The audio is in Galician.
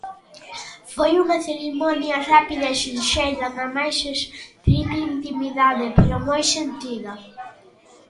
Foi unha cerimonia rápida e sinxela, na mais estrita intimidade, pero moi sentida.